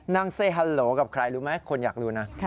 นั่งเซย์ฮัลโหลกับใครรู้ไหมคนอยากรู้นะค่ะ